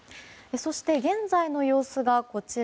そして、現在の様子がこちら。